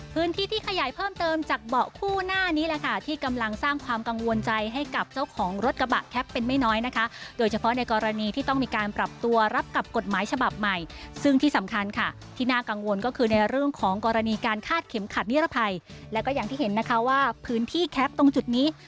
พื้นที่ที่ขยายเพิ่มเติมจากเบาะคู่หน้านี้แหละค่ะที่กำลังสร้างความกังวลใจให้กับเจ้าของรถกระบะแคปเป็นไม่น้อยนะคะโดยเฉพาะในกรณีที่ต้องมีการปรับตัวรับกับกฎหมายฉบับใหม่ซึ่งที่สำคัญค่ะที่น่ากังวลก็คือในเรื่องของกรณีการคาดเข็มขัดนิรภัยแล้วก็อย่างที่เห็นนะคะว่าพื้นที่แคปตรงจุดนี้